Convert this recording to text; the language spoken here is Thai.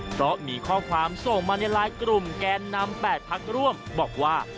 เพราะมีข้อความส่งมาในไลน์กลุ่มแกนนำ๘พักร่วมบอกว่า